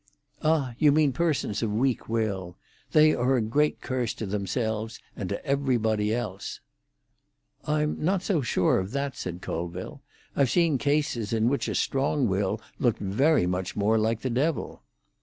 "Ah, you mean persons of weak will. They are a great curse to themselves and to everybody else." "I'm not so sure of that," said Colville. "I've seen cases in which a strong will looked very much more like the devil."